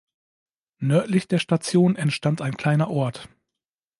Nördlich der Station entstand ein kleiner Ort.